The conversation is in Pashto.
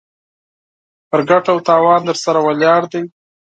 پر ګټه و تاوان درسره ولاړ دی.